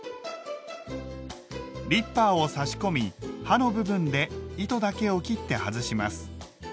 リッパーを差し込み刃の部分で糸だけを切って外します。